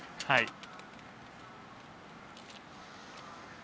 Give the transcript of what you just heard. はい。